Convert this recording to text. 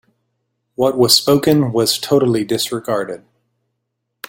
What was spoken was totally disregarded.